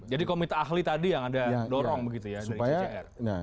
jadi komite ahli tadi yang ada dorong begitu ya